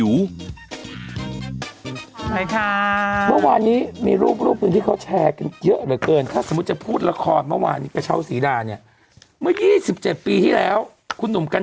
โอ้โหไปเดี๋ยวฆ่าคนนั้นตายไปนี่ตายคนนั้น